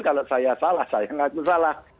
kalau saya salah saya nggak salah